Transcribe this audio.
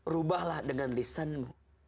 rubahlah dengan lisanmu